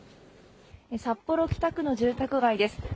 札幌北区の住宅街です。